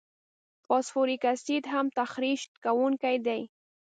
فاسفوریک اسید هم تخریش کوونکي دي.